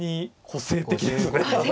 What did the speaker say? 個性的ですよね。